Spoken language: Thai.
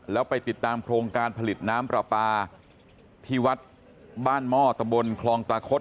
แล้วไปติดตามโครงการผลิตน้ำปลาปลาที่วัดบ้านหม้อตำบลคลองตาคด